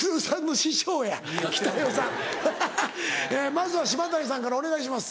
まずは島谷さんからお願いします。